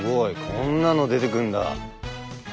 こんなの出てくんだ。